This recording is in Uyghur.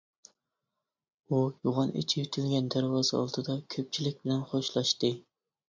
ئۇ يوغان ئېچىۋېتىلگەن دەرۋازا ئالدىدا كۆپچىلىك بىلەن خوشلاشتى.